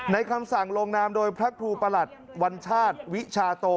คำสั่งลงนามโดยพระครูประหลัดวัญชาติวิชาโต